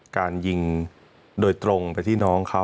การยิงโดยตรงไปที่น้องเขา